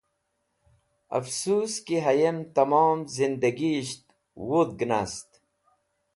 Afsus ki hẽyem tẽmon zhindagisht wudh nast.